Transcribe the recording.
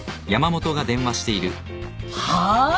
はあ！？